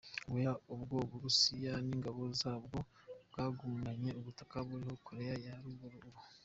Guhera ubwo u Burusiya n’ingabo zabwo bwagumanye ubutaka buriho Koreya ya Ruguru ubu.